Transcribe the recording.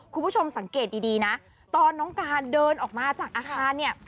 คุณผู้ชมสังเกตดีนะตอนน้องการเดินออกมาจากอาคารเนี่ย